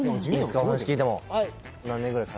お話聞いてもはい